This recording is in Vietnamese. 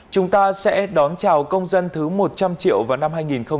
chúng ta sẽ đón chào công dân thứ một trăm linh triệu vào năm hai nghìn hai mươi